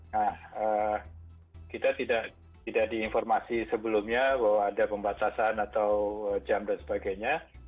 nah kita tidak di informasi sebelumnya bahwa ada pembatasan atau jam dan sebagainya